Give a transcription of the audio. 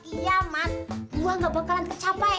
iya mat gua gak bakalan tercapai